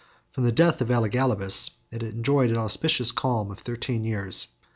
From the death of Elagabalus, it enjoyed an auspicious calm of thirteen years.